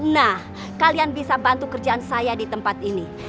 nah kalian bisa bantu kerjaan saya di tempat ini